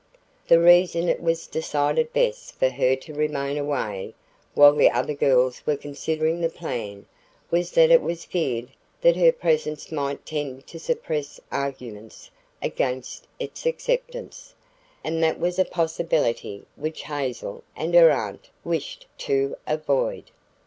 The reason it was decided best for her to remain away while the other girls were considering the plan was that it was feared that her presence might tend to suppress arguments against its acceptance, and that was a possibility which Hazel and her aunt wished to avoid.